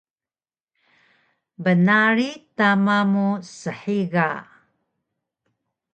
bnarig tama mu shiga